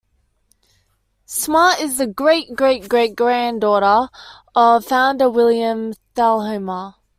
Smartt is the great-great-great-granddaughter of founder William Thalhimer.